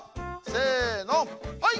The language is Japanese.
せのほい！